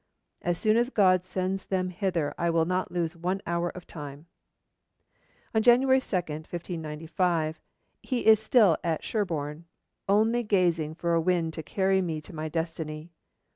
As soon as God sends them hither I will not lose one hour of time.' On January 2, 1595, he is still at Sherborne, 'only gazing for a wind to carry me to my destiny.'